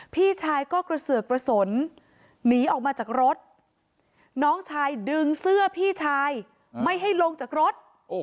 พี่ชายก็กระเสือกกระสนหนีออกมาจากรถน้องชายดึงเสื้อพี่ชายไม่ให้ลงจากรถ